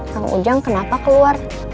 kang ujang kenapa keluar